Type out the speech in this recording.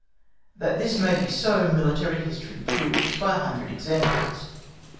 That this may be so military history proves by a hundred examples.